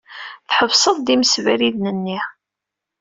Tḥebseḍ-d imsebriden-nni.